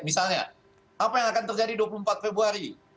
misalnya apa yang akan terjadi dua puluh empat februari